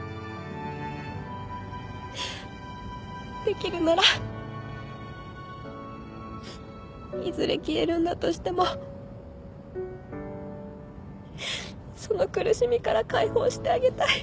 できるならいずれ消えるんだとしてもその苦しみから解放してあげたい。